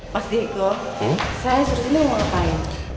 mas diego saya sudah silahkan mona main